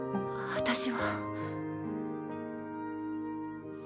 私は。